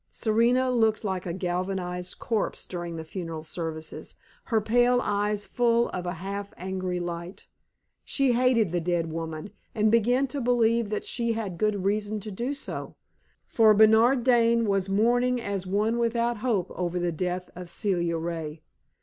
Serena looked like a galvanized corpse during the funeral services, her pale eyes full of a half angry light. She hated the dead woman, and began to believe that she had good reason to do so, for Bernard Dane was mourning as one without hope over the death of Celia Ray.